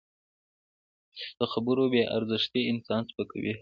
د خبرو بې ارزښتي انسان سپکوي